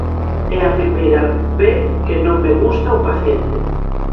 É a primeira ve que non me "gusta" un paciente.